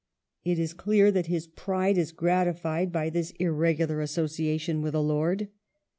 It is clear that his pride is gratified by this ir regular association with a lord.